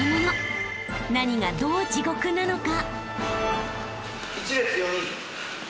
［何がどう地獄なのか］